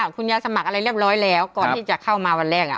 คุณยายสมัครอะไรเรียบร้อยแล้วก่อนที่จะเข้ามาวันแรก